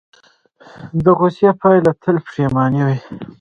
د غوسې پایله تل پښیماني وي.